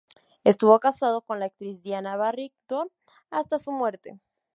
Estuvo casado con la actriz Diana Barrington hasta su muerte.